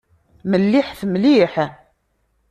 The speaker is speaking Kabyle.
Melliḥet mliḥ.